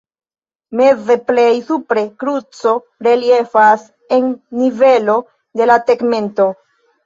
Meze plej supre kruco reliefas en nivelo de la tegmento.